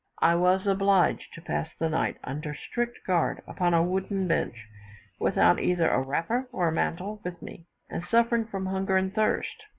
I was obliged to pass the night, under strict guard, upon a wooden bench, without either a wrapper or a mantle with me, and suffering from hunger and thirst.